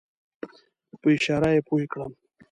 په اشاره یې پوی کړم.